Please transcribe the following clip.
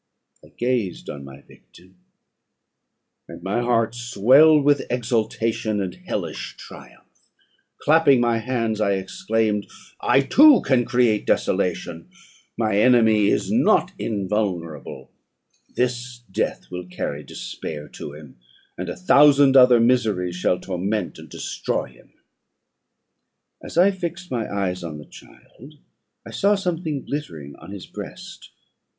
"I gazed on my victim, and my heart swelled with exultation and hellish triumph: clapping my hands, I exclaimed, 'I, too, can create desolation; my enemy is not invulnerable; this death will carry despair to him, and a thousand other miseries shall torment and destroy him.' "As I fixed my eyes on the child, I saw something glittering on his breast.